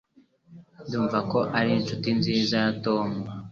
Ndumva ko uri inshuti nziza ya Tom.